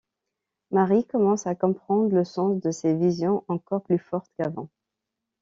Marie commence à comprendre le sens de ses visions, encore plus fortes qu'avant...